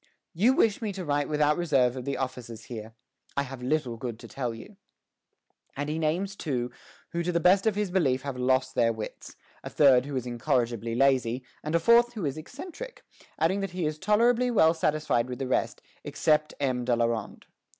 "You wish me to write without reserve of the officers here; I have little good to tell you;" and he names two who to the best of his belief have lost their wits, a third who is incorrigibly lazy, and a fourth who is eccentric; adding that he is tolerably well satisfied with the rest, except M. de la Ronde.